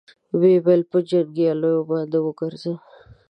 ويې ويل: په جنګياليو باندې وګرځه.